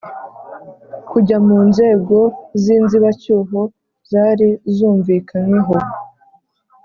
kujya mu nzego z'inzibacyuho zari zumvikanyweho